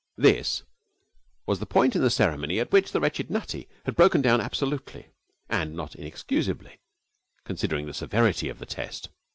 This was the point in the ceremony at which the wretched Nutty had broken down absolutely, and not inexcusably, considering the severity of the test.